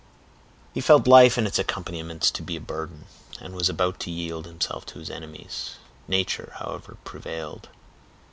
He felt life and its accompaniments to be a burden, and was about to yield himself to his enemies. Nature, however, prevailed.